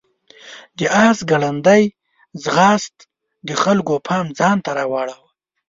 د آس ګړندی ځغاست د خلکو پام ځان ته راواړاوه.